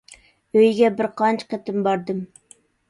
ئۆيىگە بىر قانچە قېتىم باردىم.